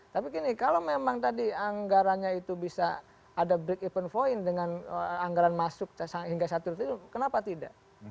tapi gini kalau memang tadi anggarannya itu bisa ada break even point dengan anggaran masuk hingga satu triliun kenapa tidak